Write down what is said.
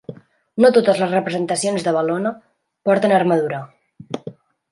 No totes les representacions de Bel·lona porten armadura.